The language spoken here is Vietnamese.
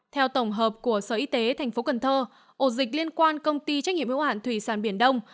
theo tổng hợp của sở y tế tp cn ổ dịch liên quan công ty trách nhiệm hữu hạn thủy sản biển đông